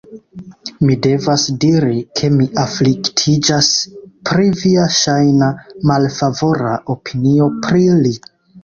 Mi devas diri, ke mi afliktiĝas pri via ŝajna malfavora opinio pri li.